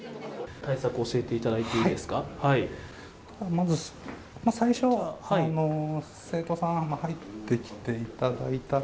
対策、まず最初は、生徒さんは入ってきていただいたら。